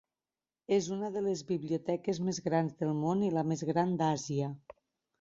És una de les biblioteques més grans del món i la més gran d'Àsia.